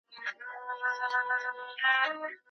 زده کړه د فقر د کمیدو یوه لاره ده.